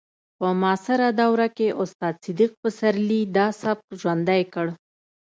په معاصره دوره کې استاد صدیق پسرلي دا سبک ژوندی کړ